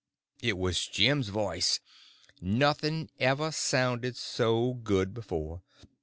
It was Jim's voice—nothing ever sounded so good before.